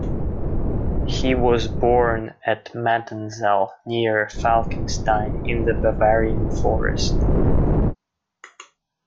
He was born at Mattenzell, near Falkenstein in the Bavarian Forest.